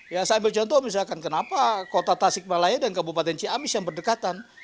ya saya ambil contoh misalkan kenapa kota tasikmalaya dan kabupaten ciamis yang berdekatan